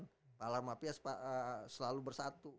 kepala mafia selalu bersatu